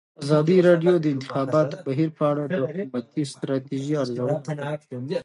ازادي راډیو د د انتخاباتو بهیر په اړه د حکومتي ستراتیژۍ ارزونه کړې.